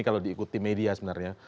kalau diikuti media sebenarnya